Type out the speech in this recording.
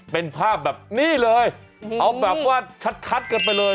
เป็นภาพแบบนี้เลยเอาแบบว่าชัดกันไปเลย